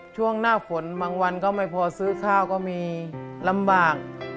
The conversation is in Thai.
ช่วงหน้าฝนบางวันก็ไม่พอซื้อข้าวก็มีลำบาก